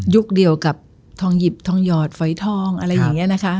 เดียวกับทองหยิบทองหยอดฝอยทองอะไรอย่างนี้นะคะ